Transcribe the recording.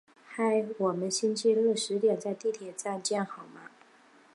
嗨，我们星期日十点在地铁站见好吗？